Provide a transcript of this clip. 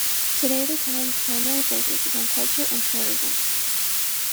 Today, the town's primary focus is on culture and tourism.